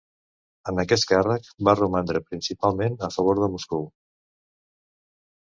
En aquest càrrec, va romandre principalment a favor de Moscou.